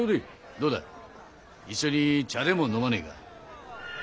どうだ一緒に茶でも飲まねぇか。